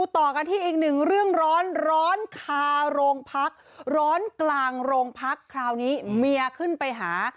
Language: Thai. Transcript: ต่อกันที่อีกหนึ่งเรื่องร้อนร้อนคาโรงพักร้อนกลางโรงพักคราวนี้เมียขึ้นไปหา